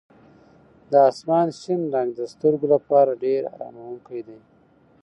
د اسمان شین رنګ د سترګو لپاره ډېر اراموونکی دی.